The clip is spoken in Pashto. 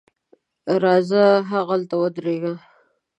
راځه هغلته ودرېږه.